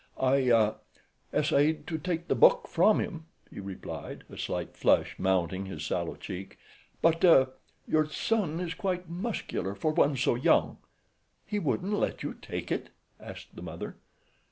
"I—ah—essayed to take the book from him," he replied, a slight flush mounting his sallow cheek; "but—ah—your son is quite muscular for one so young." "He wouldn't let you take it?" asked the mother.